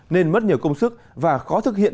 nên mất nhiều công sức và khó thực hiện